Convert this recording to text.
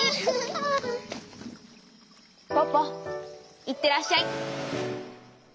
ポポいってらっしゃい！